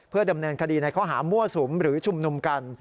ดำเนินคดีในข้อหามั่วสุมหรือชุมนุมกัน